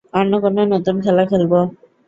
অন্য কোনো নতুন খেলা খেলবো।